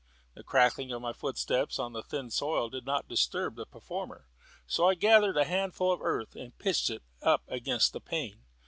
The crackling of my footsteps on the thin soil did not disturb the performer, so I gathered a handful of earth and pitched it up against the pane.